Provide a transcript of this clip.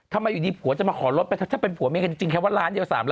ทำไมอยู่ดีผัวจะมาขอลดถ้าเป็นผัวมีจริงแค่ว่าล้านเดียว๓ล้าน